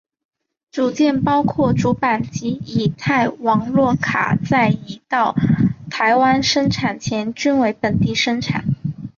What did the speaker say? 组件包括主板及乙太网络卡在移到台湾生产前均为本地生产。